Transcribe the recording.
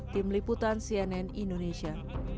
tim liputan cnn indonesia